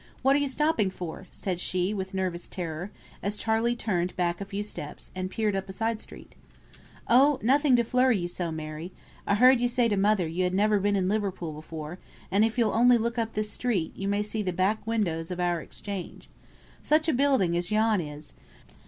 What are you stopping for?" said she, with nervous terror, as Charley turned back a few steps, and peered up a side street. "Oh, nothing to flurry you so, Mary. I heard you say to mother you had never been in Liverpool before, and if you'll only look up this street you may see the back windows of our Exchange. Such a building as yon is!